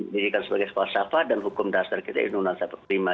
dijikan sebagai suatu syafat dan hukum dasar kita itu undang undang sekelima